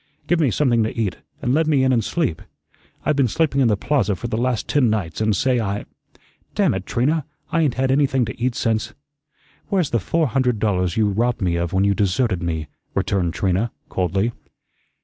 Give me something to eat, an' let me in an' sleep. I've been sleeping in the Plaza for the last ten nights, and say, I Damn it, Trina, I ain't had anything to eat since " "Where's the four hundred dollars you robbed me of when you deserted me?" returned Trina, coldly.